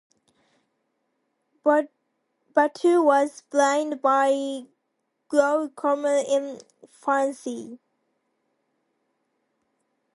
Butler was blinded by glaucoma in infancy.